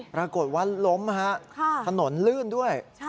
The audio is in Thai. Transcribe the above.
ปรากฏว่าล้มฮะถนนลื่นด้วย